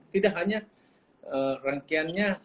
tidak hanya rangkaiannya